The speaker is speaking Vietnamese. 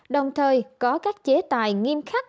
đồng thời có các chế tài nghiêm khắc